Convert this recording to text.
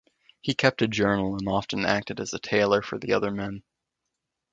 He kept a journal and often acted as a tailor for the other men.